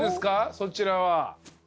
そちらは。